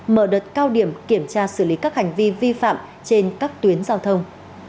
mở đợt cao điểm kiểm tra xử lý các hành vi vi phạm trên các tuyến giao thông